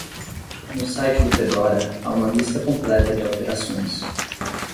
No site do Fedora, há uma lista completa de alterações.